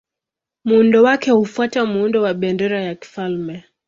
Muundo wake hufuata muundo wa bendera ya kifalme.